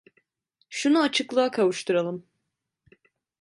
Şunu açıklığa kavuşturalım.